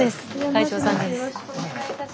会長さんです。